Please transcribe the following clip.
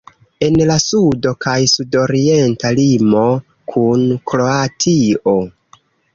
En la sudo kaj sudorienta limo kun Kroatio.